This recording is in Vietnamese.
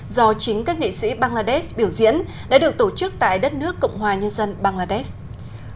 do chính các nghệ sĩ bangladesh biểu diễn đã được tổ chức tại đất nước cộng hòa nhân dân bangladesh